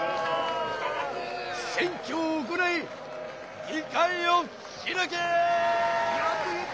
選挙を行い議会を開け！